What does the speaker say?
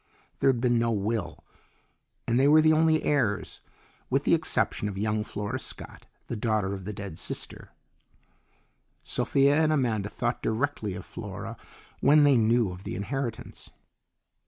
There had been no will, and they were the only heirs with the exception of young Flora Scott, the daughter of the dead sister. Sophia and Amanda thought directly of Flora when they knew of the inheritance.